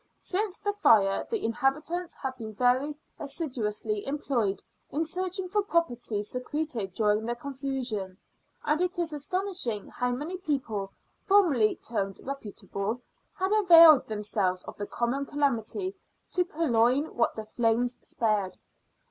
Since the fire, the inhabitants have been very assiduously employed in searching for property secreted during the confusion; and it is astonishing how many people, formerly termed reputable, had availed themselves of the common calamity to purloin what the flames spared.